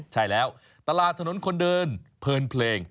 ใช่แล้วตลาดถนนคนเดินเพลินเพลง